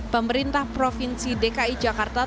pemerintah provinsi dki jakarta